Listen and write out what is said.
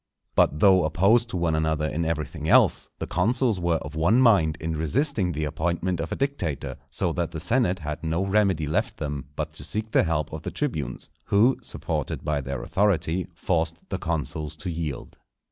But though opposed to one another in everything else, the consuls were of one mind in resisting the appointment of a dictator; so that the senate had no remedy left them but to seek the help of the tribunes, who, supported by their authority, forced the consuls to yield.